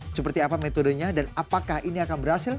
seperti apa metodenya dan apakah ini akan berhasil